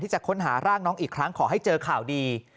จะค้นหาร่างน้องอีกครั้งขอให้เจอข่าวดี